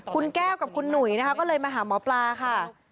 คุณแก้วกับคุณหนุ่ยนะคะก็เลยมาหาหมอปลาค่ะ